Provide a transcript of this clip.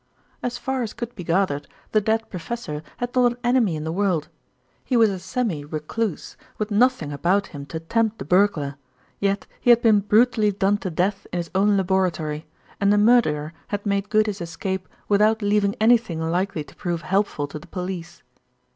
As far as could be gathered the dead professor had not an enemy in the world. He was a semi recluse, with nothing about him to tempt the burglar; yet he had been brutally done to death in his own laboratory, and the murderer had made good his escape without leaving anything likely to prove helpful to the police.